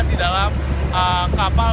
di dalam kapal